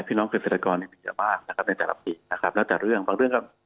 พี่น้องเกษตรกรมีเยอะมากนะครับ